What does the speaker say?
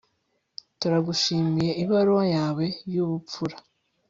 Turagushimiye ibaruwa yawe yubupfura